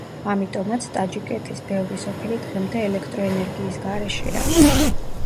ამიტომაც ტაჯიკეთის ბევრი სოფელი დღემდე ელექტრო ენერგიის გარეშეა.